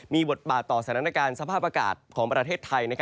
มีบทบาทต่อสถานการณ์สภาพอากาศของประเทศไทย